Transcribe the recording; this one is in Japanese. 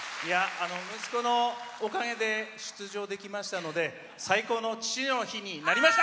息子のおかげで出場できましたので最高の父の日になりました。